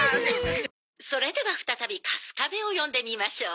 それでは再びカスカベを呼んでみましょう。